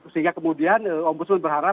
sehingga kemudian ombudsman berharap